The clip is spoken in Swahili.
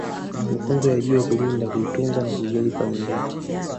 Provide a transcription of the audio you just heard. Mafunzo juu ya kulinda kuitunza na kuijali familia